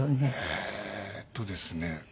えーっとですね。